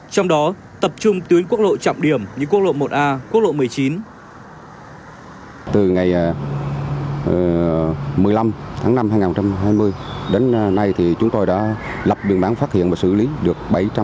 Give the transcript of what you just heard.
trong đó tập trung tuyến quốc lộ trọng điểm như quốc lộ một a quốc lộ một mươi chín